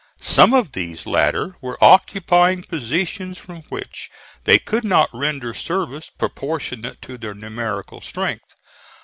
Some of these latter were occupying positions from which they could not render service proportionate to their numerical strength.